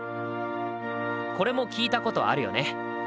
これも聴いたことあるよね？